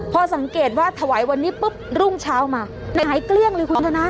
พอสังเกตว่าถวายวันนี้ปุ๊บรุ่งเช้ามาหงายเกลี้ยงเลยคุณชนะ